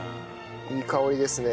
いい香りですね。